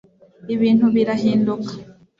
ibintu birahinduka